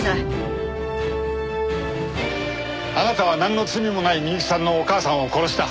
あなたはなんの罪もない美雪さんのお母さんを殺した。